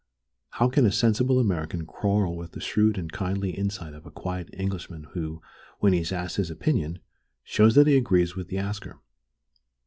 How can a sensible American quarrel with the shrewd and kindly insight of a quiet Englishman who, when he is asked his opinion, shows that he agrees with the asker?